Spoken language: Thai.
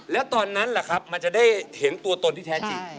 แล้วตอนนั้นล่ะครับมันจะได้เห็นตัวตนที่แท้จริง